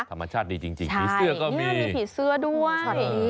ธรรมชาติดีจริงผีเสื้อก็มีใช่นี่มีผีเสื้อด้วย